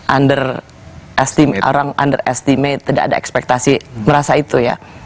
underestimate orang underestimate tidak ada ekspektasi merasa itu ya